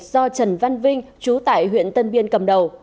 do trần văn vinh chú tại huyện tân biên cầm đầu